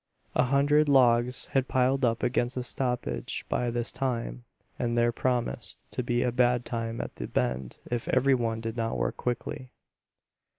A hundred logs had piled up against the stoppage by this time and there promised to be a bad time at the bend if every one did not work quickly.